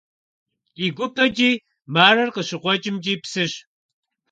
Ди гупэкӀи, Марэр къыщыкъуэкӀымкӀи псыщ.